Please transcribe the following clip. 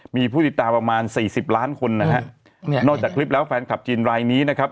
มีผู้ติดตามประมาณสี่สิบล้านคนนะฮะเนี่ยนอกจากคลิปแล้วแฟนคลับจีนรายนี้นะครับ